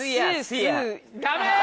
ダメ！